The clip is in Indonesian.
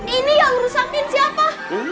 ini yang rusakin siapa